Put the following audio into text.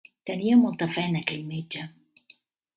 Tenia molta fe en aquell metge.